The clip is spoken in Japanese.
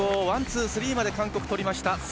ワン、ツー、スリーまで韓国、とりました。